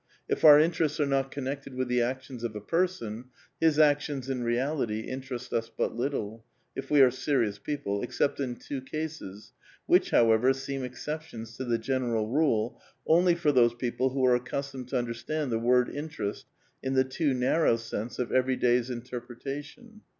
If our interests are not connected with the actions of a person, his actions in reality interest us but little, if we are serious people, except in two cases, which, however, seem exceptions to the general rule only for those people who are accustomed to undinstand the word "^ interest'* in the too narrow sense of every day's interijretation.